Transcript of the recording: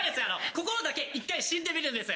心だけ一回死んでみるんです。